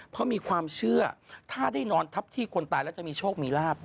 เพราะมีความเชื่อถ้าได้นอนทับที่คนตายแล้วจะมีโชคมีลาบ